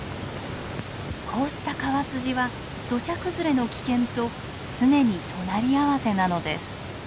こうした川筋は土砂崩れの危険と常に隣り合わせなのです。